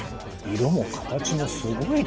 色も形もすごいですよね。